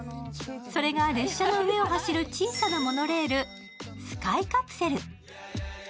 それが列車の上を走る小さなモノレール、スカイカプセル。